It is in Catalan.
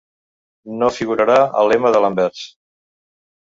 No figurarà el lema de l'anvers.